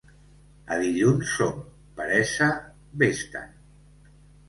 A dilluns som; peresa ves-te'n.